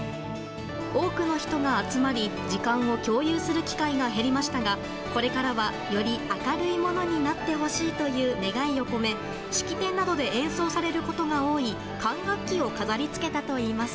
多くの人が集まり時間を共有する機会が減りましたがこれからは、より明るいものになってほしいという願いを込め式典などで演奏されることが多い管楽器を飾り付けたといいます。